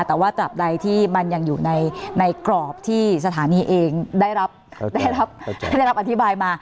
แต่ว่าตราบใดที่มันยังอยู่ในกรอบที่สถานีเองได้รับอธิบายมา